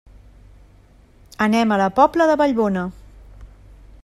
Anem a la Pobla de Vallbona.